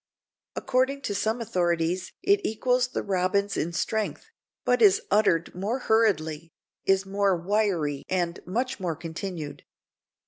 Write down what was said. According to some authorities it equals the robin's in strength, but is uttered more hurriedly, is more "wiry" and much more continued.